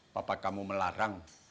papa kamu melarang